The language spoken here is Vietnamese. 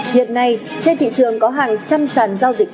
hiện nay trên thị trường có hàng trăm sản giao dịch